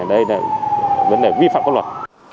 vấn đề vi phạm của luật